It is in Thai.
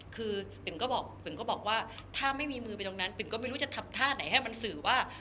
คือปิ๋มก็บอกปิ๋มก็บอกว่าถ้าไม่มีมือไปตรงนั้นปิ๋มก็ไม่รู้จะทำท่าไหนให้มันสื่อว่า